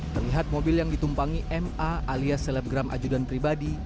terlihat mobil yang ditumpangi ma alias selebgram ajudan pribadi